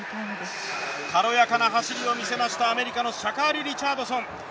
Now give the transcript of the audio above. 軽やかな走りを見せましたシャカリ・リチャードソン。